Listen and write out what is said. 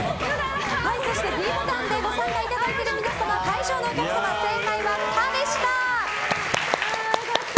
ｄボタンでご参加いただいている皆さんは会場のお客様、正解は可でした。